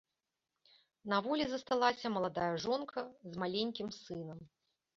На волі засталася маладая жонка з маленькім сынам.